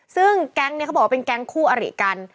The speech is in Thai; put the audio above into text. ซึ่งแก๊งนี้เขาบอกว่าเป็นแก๊งคู่อริกัน